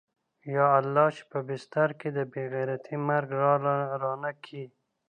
يا الله چې په بستر کې د بې غيرتۍ مرگ راله رانه کې.